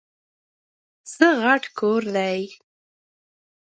څه غټ کور دی ؟!